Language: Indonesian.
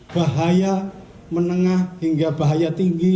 bahaya menengah hingga bahaya tinggi